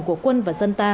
của quân và dân ta